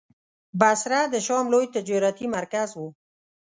بصره د شام لوی تجارتي مرکز و.